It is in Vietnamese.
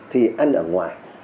thì ăn ở ngoài